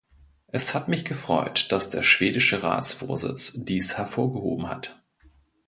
Es hat mich gefreut, dass der schwedische Ratsvorsitz dies hervorgehoben hat.